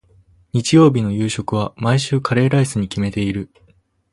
日曜日の夕食は、毎週カレーライスに決めている。